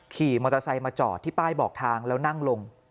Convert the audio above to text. ขี่มอเตอร์ไซค์มาจอดที่ป้ายบอกทางแล้วนั่งลง